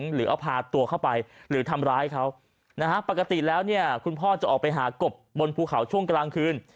หรือเอาพาตัวเข้าไปหรือทำร้ายเขานะฮะปกติแล้วเนี่ยคุณพ่อจะออกไปหากบบนภูเขาช่วงกลางคืน